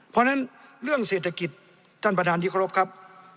เพราะฉะนั้นเรื่องเศรษฐกิจท่านประธานที่เคารพครับ